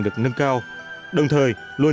được nâng cao đồng thời luôn